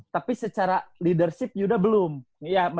tapi secara leadership yuda belum